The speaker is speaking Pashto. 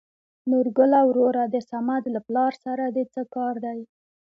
نورګله وروره د سمد له پلار سره د څه کار دى ؟